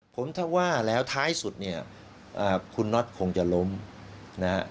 ผมถ้าว่าแล้วท้ายสุดเนี่ยคุณน็อตคงจะล้มนะฮะ